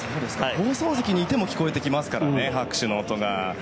放送席にいても聞こえてきますからね拍手の音が。